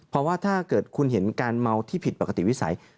เพราะว่าถ้าเกิดคุณเห็นการเมาที่ผิดปกติวิสัย